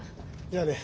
じゃあね。